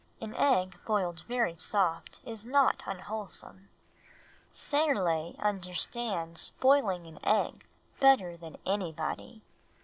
An egg boiled very soft is not unwholesome. Serle understands boiling an egg better than anybody.